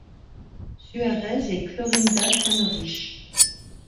Suárez et Clorinda Flamerich.